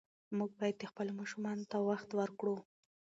موږ باید خپلو ماشومانو ته وخت ورکړو.